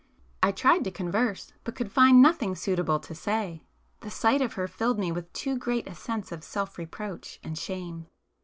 I tried to converse, but could find nothing suitable to say,—the sight of her filled me with too great a sense of self reproach and shame.